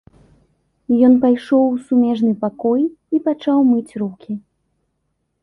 Ён пайшоў у сумежны пакой і пачаў мыць рукі.